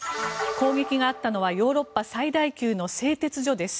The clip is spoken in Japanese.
攻撃があったのはヨーロッパ最大級の製鉄所です。